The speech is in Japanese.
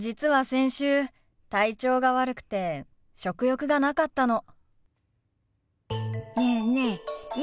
先週体調が悪くて食欲がなかったの。